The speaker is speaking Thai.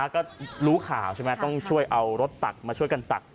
ก็รู้ข่าวใช่ไหมต้องช่วยเอารถตักมาช่วยกันตัก